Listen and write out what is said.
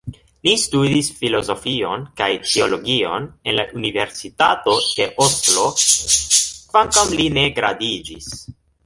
Li studis filozofion kaj teologion en la Universitato de Oslo, kvankam li ne gradiĝis.